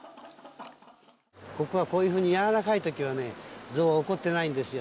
ここがこういうふうにやわらかい時は象は怒ってないんですよ。